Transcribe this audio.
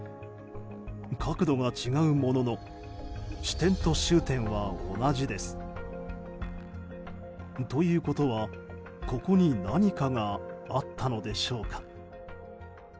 角度が違うものの始点と終点は同じです。ということは、ここに何かがあったのでしょうか。